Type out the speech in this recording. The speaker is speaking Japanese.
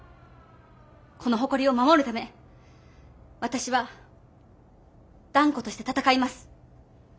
この誇りを守るため私は断固として闘います。